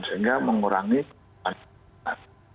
sehingga mengurangi mobilitas